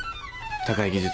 高い技術。